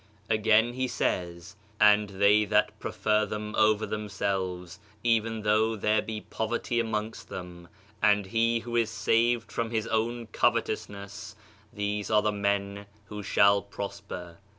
Again he says: "And they that prefer them over themselves, even though there be poverty amongst them ; and he who is saved from his own covetousness ; these arc the men who shall prosper."